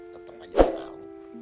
tetep aja tau